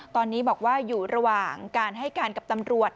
ตอนนี้บอกว่าอยู่ระหว่างการให้การกับตำรวจ